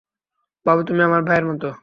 বাবু, তুমি আমার ভাইয়ের মতো।